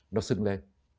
nó sưng lên